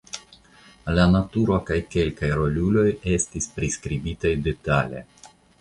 La naturo kaj kelkaj roluloj estas priskribitaj detale.